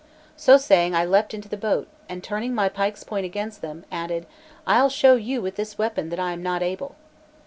So saying I leapt into the boat, and turning my pike's point against them, added: "I'll show you with this weapon that I am not able."